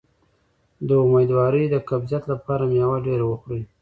د امیدوارۍ د قبضیت لپاره میوه ډیره وخورئ